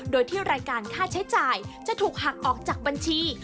โดยที่รายการค่าใช้จ่ายจะถูกหักออกจากบัญชี